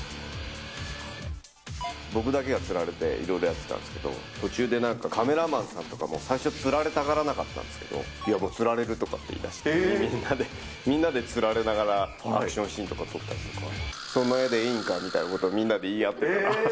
僕だけがつられて、いろいろやってたんですけど、途中でなんかカメラマンさんとかも、最初つられたがらなかったんですけど、いやもう、つられるとかって言いだして、みんなで、みんなでつられながらアクションシーンとか撮りながら、その絵でいいんかみたいなことをみんなで言い合って。